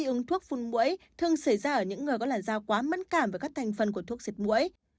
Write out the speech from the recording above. dị ứng thuốc phun mũi thường xảy ra ở những người có làn da quá mẫn cảm với các thành phần của thuốc diệt mũi